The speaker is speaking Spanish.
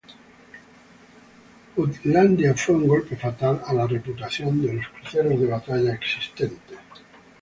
Jutlandia fue un golpe fatal a la reputación de los cruceros de batalla existentes.